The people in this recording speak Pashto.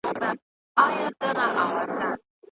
حضوري زده کړه زده کوونکو ته عملي تجربه پياوړې کړه.